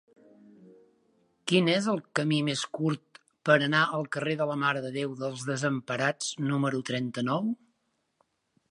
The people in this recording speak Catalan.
Quin és el camí més curt per anar al carrer de la Mare de Déu dels Desemparats número trenta-nou?